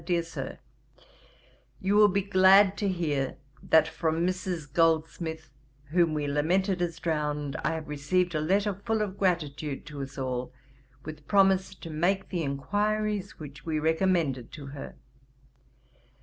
'DEAR SIR, 'You will be glad to hear that from Mrs. Goldsmith, whom we lamented as drowned, I have received a letter full of gratitude to us all, with promise to make the enquiries which we recommended to her.